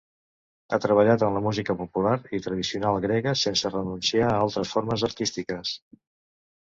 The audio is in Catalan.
Ha treballat amb la música popular i tradicional grega sense renunciar a altres formes artístiques.